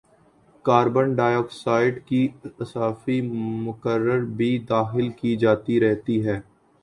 carbon dioxide کی اضافی مقدار بھی داخل کی جاتی رہتی ہے